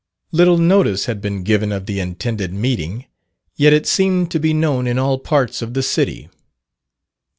Little notice had been given of the intended meeting, yet it seemed to be known in all parts of the city.